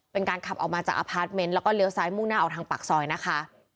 เป็นการขับออกมาจากอพาร์ทเมนต์แล้วก็เลี้ยวซ้ายมุ่งหน้าออกทางปากซอยนะคะ